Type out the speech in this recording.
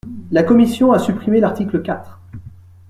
La commission a supprimé l’article quatre.